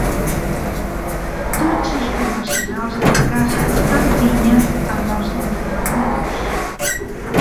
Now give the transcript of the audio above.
Tots els professionals de la casa fan pinya amb els d'informatius.